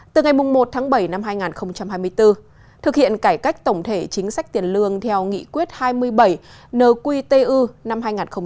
từ ngày một tháng bảy năm hai nghìn hai mươi bốn thực hiện cải cách tổng thể chính sách tiền lương theo nghị quyết hai mươi bảy nqtu năm hai nghìn hai mươi